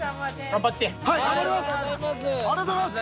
頑張ります！